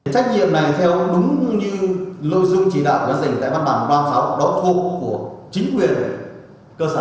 trách nhiệm này theo đúng như lội dung chỉ đạo dành tại văn bản ba mươi sáu đóng thô của chính quyền cơ sở